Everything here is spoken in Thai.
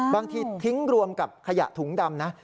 บางทีทิ้งรวมกับขยะถุงดำนะ